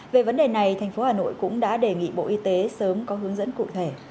về vấn đề này thành phố hà nội cũng đã đề nghị bộ y tế sớm có hướng dẫn cụ thể